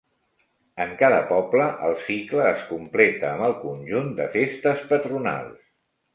En cada poble el cicle es completa amb el conjunt de festes patronals.